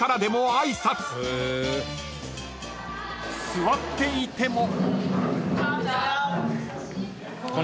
［座っていても］